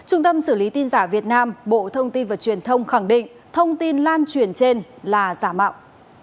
trung tâm xử lý tin giả việt nam bộ thông tin và truyền thông khẳng định thông tin lan truyền trên là giả mạo